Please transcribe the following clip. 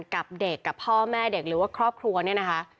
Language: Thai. กับเด็กกับพ่อแม่เด็กหรือว่าครอบครัวเนี่ยนะคะ